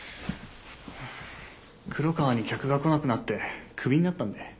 黒川に客が来なくなってクビになったんで。